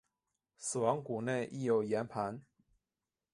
死亡谷内亦有盐磐。